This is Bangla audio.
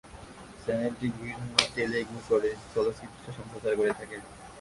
চ্যানেলটি বিভিন্ন তেলুগু চলচ্চিত্র সম্প্রচার করে থাকে।